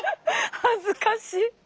恥ずかしい。